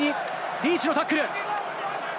リーチのタックル。